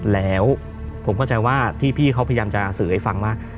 แล้วผมเข้าใจว่าที่พี่เขาพยายามจะสื่อให้ฟังว่า